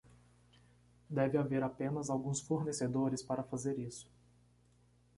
Deve haver apenas alguns fornecedores para fazer isso.